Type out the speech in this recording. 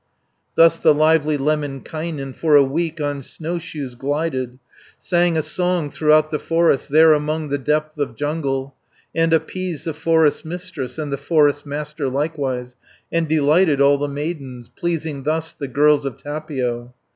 230 Thus the lively Lemminkainen For a week on snowshoes glided, Sang a song throughout the forest, There among the depths of jungle, And appeased the forest's mistress, And the forest's master likewise, And delighted all the maidens, Pleasing thus the girls of Tapio.